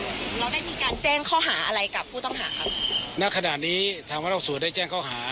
แล้วได้มีการแจ้งข้อหาอะไรกับผู้ต้องหาครับณขณะนี้ธรรมนักศูนย์ได้แจ้งข้อหา